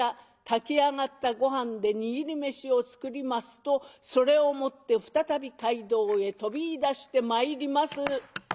炊き上がったごはんで握り飯を作りますとそれを持って再び街道へ飛びいだしてまいります。